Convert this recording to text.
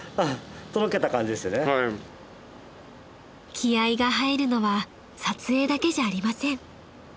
［気合が入るのは撮影だけじゃありません］